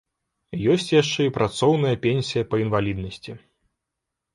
Ёсць яшчэ і працоўная пенсія па інваліднасці.